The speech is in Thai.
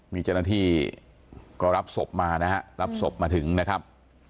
มีเจ้าหน้าที่ก็รับศพมานะฮะรับศพมาถึงนะครับ